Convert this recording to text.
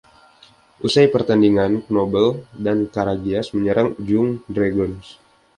Usai pertandingan, Knoble dan Karagias menyerang Jung Dragons.